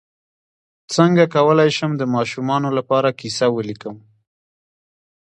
څنګه کولی شم د ماشومانو لپاره کیسه ولیکم